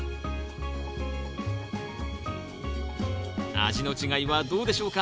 味の違いはどうでしょうか？